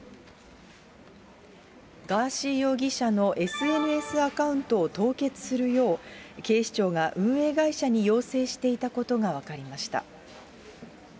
ガーシー容疑者のＳＮＳアカウントを凍結するよう、警視庁が運営会社に要請していたことが分かりました。